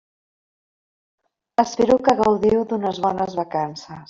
Espero que gaudiu d'unes bones vacances.